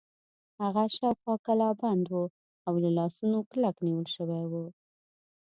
هغه شاوخوا کلابند و او له لاسونو کلک نیول شوی و.